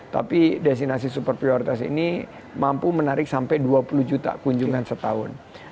tapi destinasi super prioritas ini mampu menarik sampai dua puluh juta kunjungan setahun